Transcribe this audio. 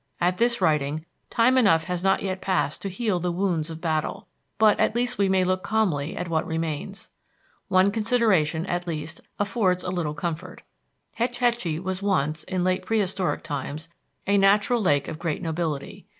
At this writing, time enough has not yet passed to heal the wounds of battle, but at least we may look calmly at what remains. One consideration, at least, affords a little comfort. Hetch Hetchy was once, in late prehistoric times, a natural lake of great nobility.